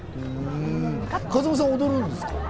風間さんは踊るんですか？